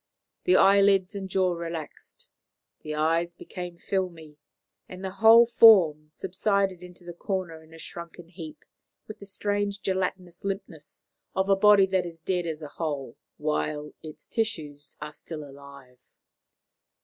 The eyelids and jaw relaxed, the eyes became filmy, and the whole form subsided into the corner in a shrunken heap, with the strange gelatinous limpness of a body that is dead as a whole, while its tissues are still alive.